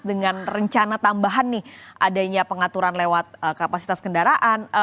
dengan rencana tambahan nih adanya pengaturan lewat kapasitas kendaraan